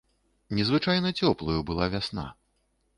Незвычайна цёплаю была вясна.